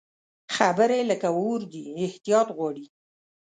خبرې لکه اور دي، احتیاط غواړي